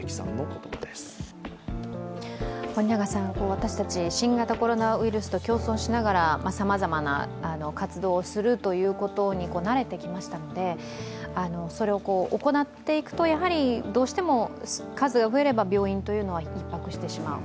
私たち、新型コロナウイルスと共存しながらさまざまな活動をするということに慣れてきましたのでそれを行っていくと、やはりどうしても数が増えれば病院というのはひっ迫してしまう。